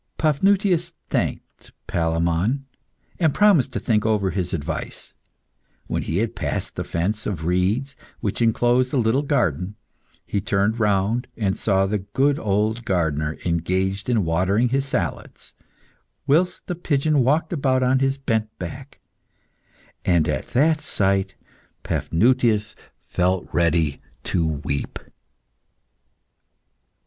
Paphnutius thanked Palemon and promised to think over his advice. When he had passed the fence of reeds which enclosed the little garden, he turned round and saw the good old gardener engaged in watering his salads, whilst the pigeon walked about on his bent back, and at that sight Paphnutius felt ready to weep.